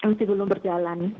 masih belum berjalan